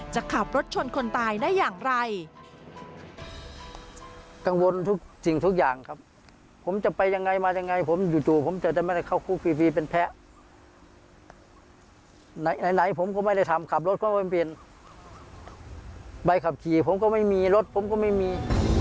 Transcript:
จะขับรถชนคนตายได้อย่างไร